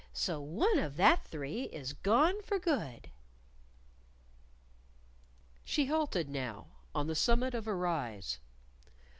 So one of that three is gone for good!" She halted now on the summit of a rise.